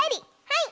はい！